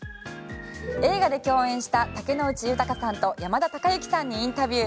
映画で共演した竹野内豊さんと山田孝之さんにインタビュー。